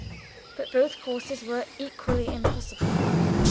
But both courses were equally impossible.